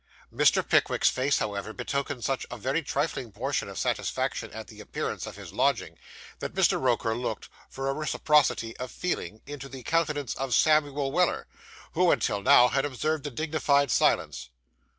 Mr. Pickwick's face, however, betokened such a very trifling portion of satisfaction at the appearance of his lodging, that Mr. Roker looked, for a reciprocity of feeling, into the countenance of Samuel Weller, who, until now, had observed a dignified silence.